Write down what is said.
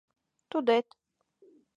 Тудет: